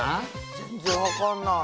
全然わかんない。